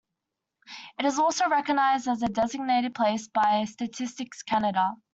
It is also recognized as a designated place by Statistics Canada.